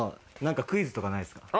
クイズとかないっすか？